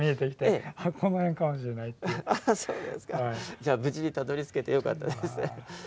じゃあ無事にたどりつけてよかったです。